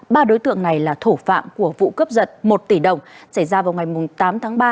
ba đối tượng này là thủ phạm của vụ cướp giật một tỷ đồng xảy ra vào ngày tám tháng ba